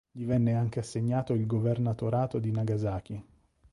Gli venne anche assegnato il governatorato di Nagasaki.